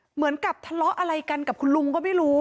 เหมือนกับทะเลาะอะไรกันกับคุณลุงก็ไม่รู้